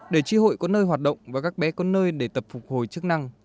để tri hội có nơi hoạt động và các bé có nơi để tập phục hồi chức năng